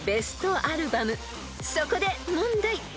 ［そこで問題］